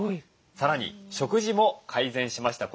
さらに食事も改善しました。